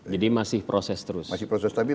jadi masih proses terus masih proses tapi